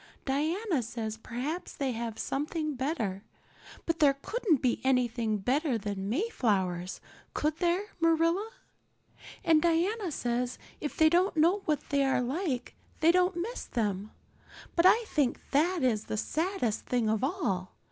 "Diana says perhaps they have something better, but there couldn't be anything better than Mayflowers, could there, Marilla? And Diana says if they don't know what they are like they don't miss them. But I think that is the saddest thing of all.